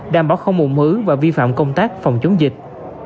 đảm bảo không nguồn mứ và vi phạm công tác phòng chống dịch